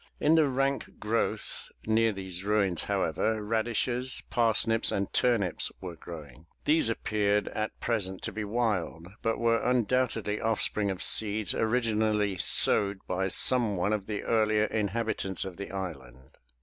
In the rank growth near these ruins however, radishes, parsnips and turnips were growing. These appeared at present to be wild, but were undoubtedly offspring of seeds originally sowed by some one of the earlier inhabitants of the island.